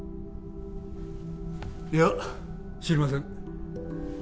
いや知りません